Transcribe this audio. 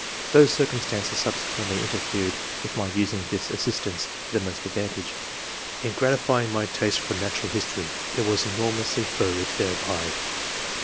Though circumstances subsequently interfered with my using this assistance to the most advantage, in gratifying my taste for natural history, it was enormously furthered thereby."